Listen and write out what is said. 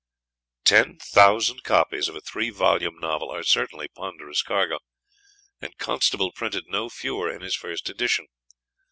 Ten thousand copies of a three volume novel are certainly a ponderous cargo, and Constable printed no fewer in his first edition.